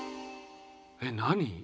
えっ何？